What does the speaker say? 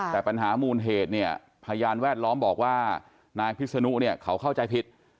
แต่ปัญหามูลเหตุเนี่ยพยานแวดล้อมบอกว่านายพิษนุเนี่ยเขาเข้าใจผิด